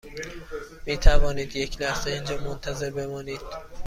می توانید یک لحظه اینجا منتظر بمانید؟